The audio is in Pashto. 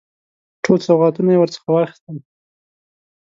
ټول سوغاتونه یې ورڅخه واخیستل.